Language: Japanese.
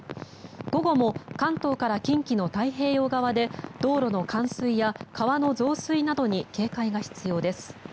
午後も関東から近畿の太平洋側で道路の冠水や川の増水などに警戒が必要です。